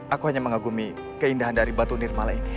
aku hanya mengagumi keindahan dari batu nirmala ini